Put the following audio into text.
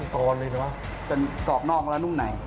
กรอบนอกแล้วนุ่มใน